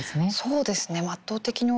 そうですね。